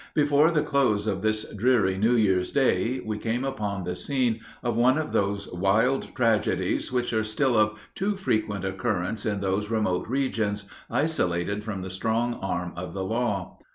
Before the close of this dreary New Year's day we came upon the scene of one of those wild tragedies which are still of too frequent occurrence in those remote regions, isolated from the strong arm of the law.